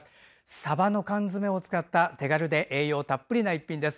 さばの缶詰を使った手軽で栄養たっぷりな一品です。